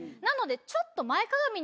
なのでちょっと。